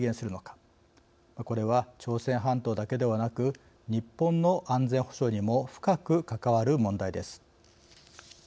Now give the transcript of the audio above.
これは朝鮮半島だけではなく日本の安全保障にも深く関わる問題です。